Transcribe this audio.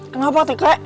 kenapa tuh kakek